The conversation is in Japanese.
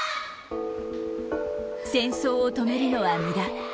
戦争を止めるのは無駄。